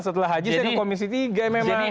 setelah haji saya ke komisi tiga memang